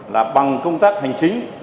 là bằng công tác hành chính